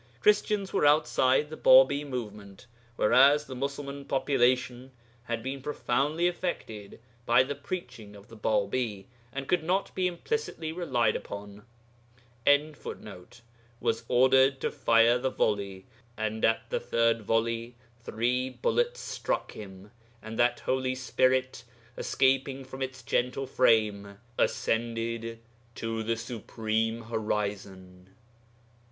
Christians were outside the Bābī movement, whereas the Musulman population had been profoundly affected by the preaching of the Bābī, and could not be implicitly relied upon.] was ordered to fire the volley.... And at the third volley three bullets struck him, and that holy spirit, escaping from its gentle frame, ascended to the Supreme Horizon.'